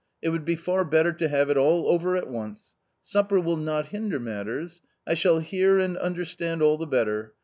It would be far better to have it all over at once. Supper will not hinder matters. I shall hear and understand all the better.